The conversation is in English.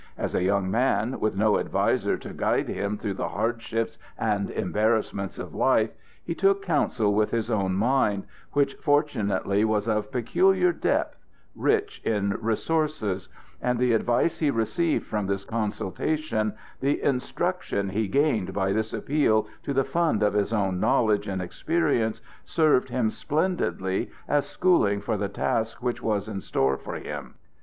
As a young man, with no adviser to guide him through the hardships and embarrassments of life, he took counsel with his own mind, which fortunately was of peculiar depth, rich in resources,—and the advice he received from this consultation, the instruction he gained by this appeal to the fund of his own knowledge and experience served him splendidly as schooling for the task which was in store for him.